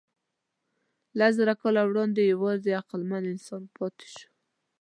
لسزره کاله وړاندې یواځې عقلمن انسان پاتې شو.